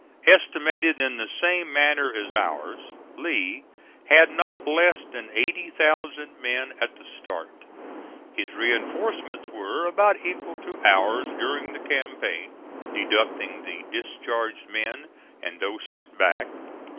Estimated in the same manner as ours, Lee had not less than 80,000 men at the start. His reinforcements were about equal to ours during the campaign, deducting the discharged men and those sent back.